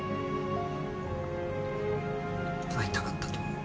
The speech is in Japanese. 会いたかったと思う。